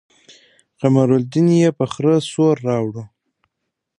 قمرالدين يې په خره سور راوړو.